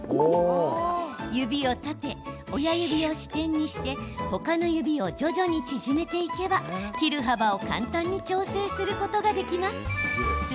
指を立て、親指を支点にして他の指を徐々に縮めていけば切る幅を簡単に調整することができます。